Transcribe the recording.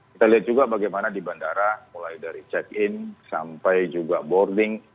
kita lihat juga bagaimana di bandara mulai dari check in sampai juga boarding